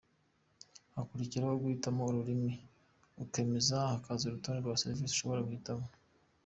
Hakurikiraho guhitamo ururimi ukemeza, hakaza urutonde rwa serivisi ushobora guhitamo.